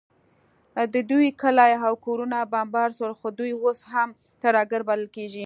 د دوی کلي او کورونه بمبار سول، خو دوی اوس هم ترهګر بلل کیږي